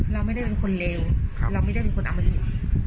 เราไม่ได้เป็นคนเลวเราไม่ได้เป็นคนเอามายิง